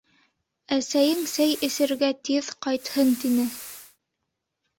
Әсәйең сәй эсергә тиҙ ҡайтһын тине.